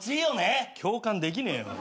共感できねえよ。